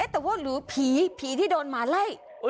แต่ว่าหรือผีผีที่โดนหมาไล่